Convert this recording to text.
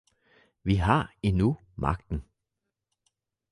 Vi har endnu magten!